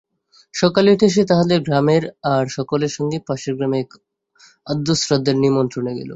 সকালে উঠিয়া সে তাহদের গ্রামের আর সকলের সঙ্গে পাশের গ্রামে এক আদ্যশ্রাদ্ধের নিমন্ত্রণে গেল।